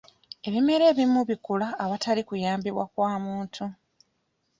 Ebimera ebimu bikula awatali kuyambibwa kwa muntu.